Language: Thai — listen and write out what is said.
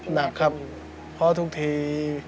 หนักครับเพราะทุกที